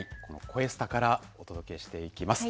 「こえスタ」からお届けしていきます。